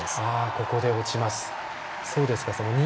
ここで落ちます。